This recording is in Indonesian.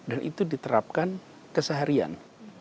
dan itu diterapkan keseharian